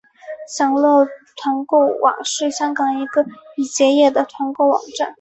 享乐团购网是香港一个已结业的团购网站。